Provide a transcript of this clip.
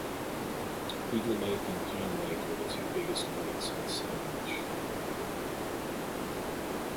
Beaver Lake and Pine Lake are the two biggest lakes in Sammamish.